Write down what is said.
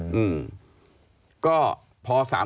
อยู่ในทีมเดียวกัน